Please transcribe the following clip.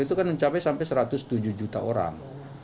itu kan mencapai sampai satu ratus tujuh juta orang